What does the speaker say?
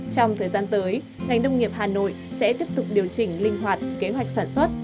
trong thời gian tới ngành nông nghiệp hà nội sẽ tiếp tục điều chỉnh linh hoạt kế hoạch sản xuất